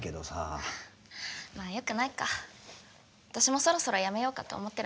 私もそろそろやめようかと思ってるんだけどさ。